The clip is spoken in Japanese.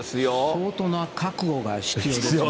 相当な覚悟が必要ですね。